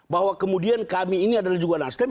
bahwa kemudian kami ini adalah juga nasdem